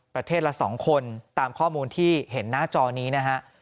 ประเทศละ๒คนตามข้อมูลที่เห็นหน้าจอนี้นะฮะ